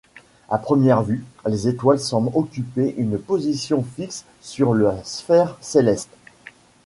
À première vue, les étoiles semblent occuper une position fixe sur la sphère céleste.